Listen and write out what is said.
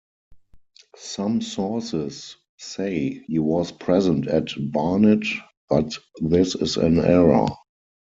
Some sources say he was present at Barnet, but this is an error.